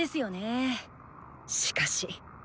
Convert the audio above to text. しかし。